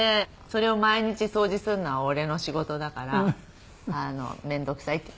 それを毎日掃除するのは俺の仕事だからめんどくさいって。